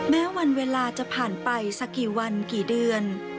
แม้วันเวลาจะผ่านไปสักกี่วันกี่เดือน